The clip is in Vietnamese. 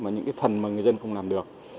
những phần mà người dân không làm được